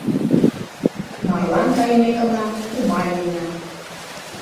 Марлан кайымекына, кума лийна.